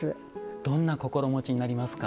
どんな心持ちになりますか？